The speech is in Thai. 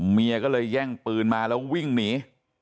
เมียก็เลยแย่งปืนมาแล้ววิ่งหนี